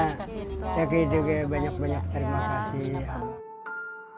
terima kasih juga ya banyak banyak terima kasih